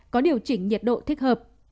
có điều chỉnh nhiệt độ thích hợp